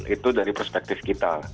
itu dari perspektif kita